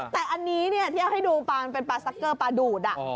แต่อันนี้ที่เอาให้ดูปลามันเป็นปลาซักเกอร์ปลาดูด